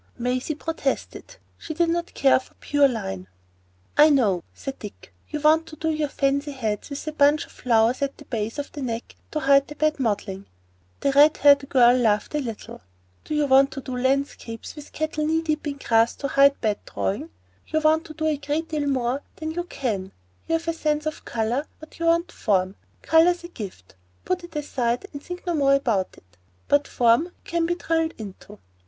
Maisie protested; she did not care for the pure line. "I know," said Dick. "You want to do your fancy heads with a bunch of flowers at the base of the neck to hide bad modelling." The red haired girl laughed a little. "You want to do landscapes with cattle knee deep in grass to hide bad drawing. You want to do a great deal more than you can do. You have sense of colour, but you want form. Colour's a gift,—put it aside and think no more about it,—but form you can be drilled into.